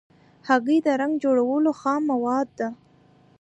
هګۍ د رنګ جوړولو خام مواد ده.